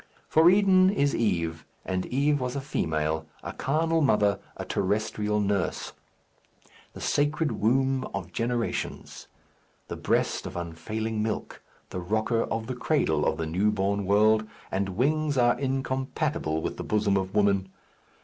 For Eden is Eve, and Eve was a female, a carnal mother, a terrestrial nurse; the sacred womb of generations; the breast of unfailing milk; the rocker of the cradle of the newborn world, and wings are incompatible with the bosom of woman.